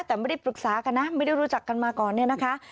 แต่ไม่ได้ปรึกษากันนะไม่ได้รู้จักกันมาก่อนเนี่ยนะคะ